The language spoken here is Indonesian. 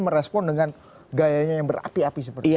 merespon dengan gayanya yang berapi api